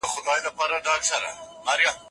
هغه وايي چي ملي عايد مهم دی.